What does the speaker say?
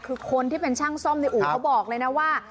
คือคนที่เป็นช่างซ่อมในอู่เขาบอกเลยนะว่า